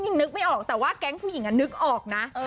ยังนึกไม่ออกแต่ว่าแก๊งผู้หญิงนึกออกนะ